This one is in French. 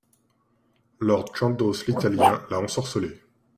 Lord Chandos L’italien l’a ensorcelée !